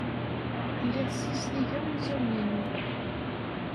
Lliɣ ssizdigeɣ imeẓẓuɣen-inu.